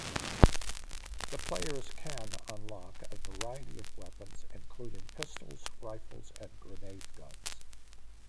The players can unlock a variety of weapons, including pistols, rifles, and grenade guns.